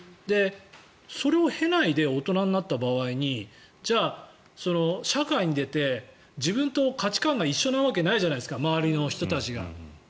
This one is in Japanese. それを経ないで大人になった時にじゃあ、社会に出て自分と価値観が一緒なわけないじゃないですか周りの人たちが。